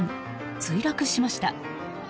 墜落しました。